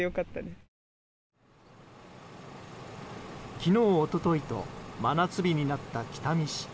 昨日、一昨日と真夏日になった北見市。